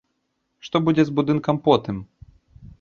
Што будзе з будынкам потым?